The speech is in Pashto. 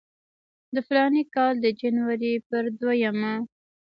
د فلاني کال د جنورۍ پر دویمه.